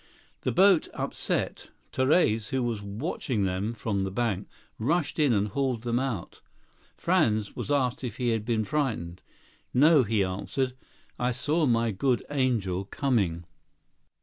The boat upset. Therese, who was watching them from the bank, rushed in and hauled them out. Franz was asked if he had been frightened. "No," he answered, "I saw my good angel coming."